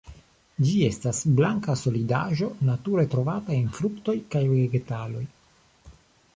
Ĝi estas blanka solidaĵo nature trovata en fruktoj kaj vegetaloj.